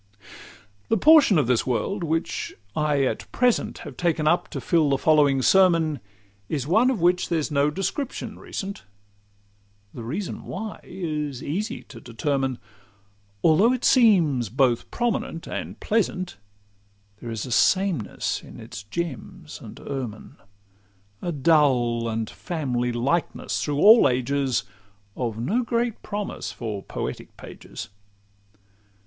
The portion of this world which I at present Have taken up to fill the following sermon, Is one of which there's no description recent. The reason why is easy to determine: Although it seems both prominent and pleasant, There is a sameness in its gems and ermine, A dull and family likeness through all ages, Of no great promise for poetic pages.